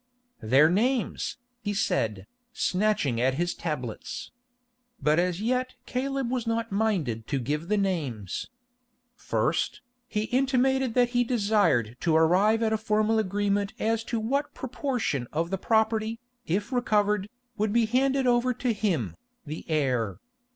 "Their names," he said, snatching at his tablets. But as yet Caleb was not minded to give the names. First, he intimated that he desired to arrive at a formal agreement as to what proportion of the property, if recovered, would be handed over to him, the heir.